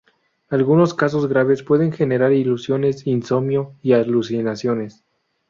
Algunos casos graves pueden generar ilusiones, insomnio y alucinaciones.